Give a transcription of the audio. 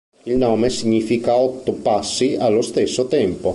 Il nome significa "otto passi allo stesso tempo".